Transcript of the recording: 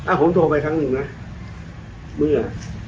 ผมโทรไปครั้งหนึ่งนะเมื่อ